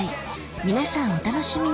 皆さんお楽しみに